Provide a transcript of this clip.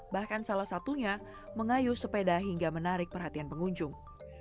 bahkan salah satunya mengayuh sepeda hingga menarik perhatian pengunjung